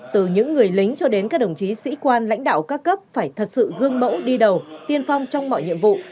từ những người lính cho đến các đồng chí sĩ quan lãnh đạo các cấp phải thật sự gương mẫu đi đầu tiên phong trong mọi nhiệm vụ